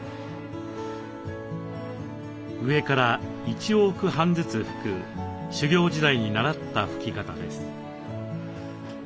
上から１往復半ずつ拭く修行時代に習った拭き方です。